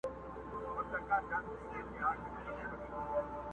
نه خبره یې پر باز باندي اثر کړي٫